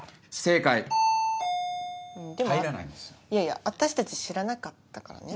いやいや私たち知らなかったからね。